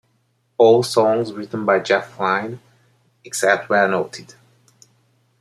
All songs written by Jeff Lynne except where noted.